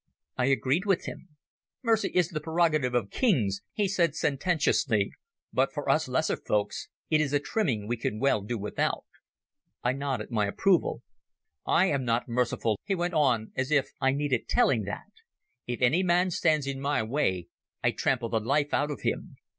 I agreed with him. "Mercy is the prerogative of kings," he said sententiously, "but for us lesser folks it is a trimming we can well do without." I nodded my approval. "I am not merciful," he went on, as if I needed telling that. "If any man stands in my way I trample the life out of him.